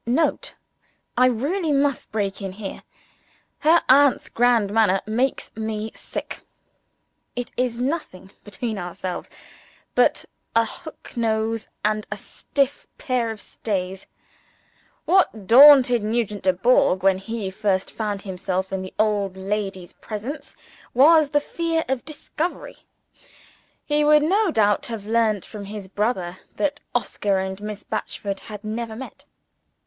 [Note. I really must break in here. Her aunt's "grand manner" makes me sick. It is nothing (between ourselves) but a hook nose and a stiff pair of stays. What daunted Nugent Dubourg, when he first found himself in the old lady's presence, was the fear of discovery. He would no doubt have learnt from his brother that Oscar and Miss Batchford had never met.